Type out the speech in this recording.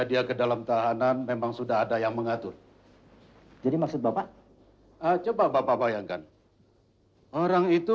dia ke dalam tahanan memang sudah ada yang mengatur jadi maksud bapak coba bapak bayangkan orang itu